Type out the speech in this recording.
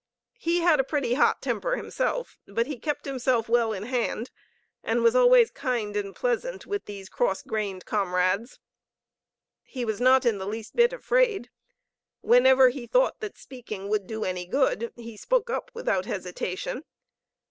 He had a pretty hot temper himself, but he kept himself well in hand, and was always kind and pleasant with these cross grained comrades. He was not the least bit afraid. Whenever he thought that speaking would do any good, he spoke up without hesitation.